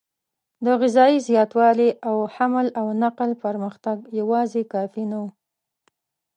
د غذایي زیاتوالي او حمل او نقل پرمختګ یواځې کافي نه و.